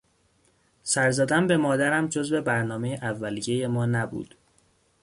سر زدن به مادرم جزو برنامهی اولیهی ما نبود.